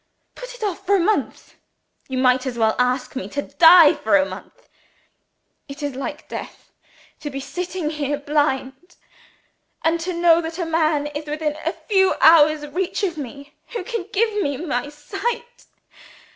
Put it off for a month? You might as well ask me to die for a month. It is like death to be sitting here blind, and to know that a man is within a few hours' reach of me who can give me my sight!